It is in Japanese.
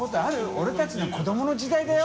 俺たちの子どもの時代だよ。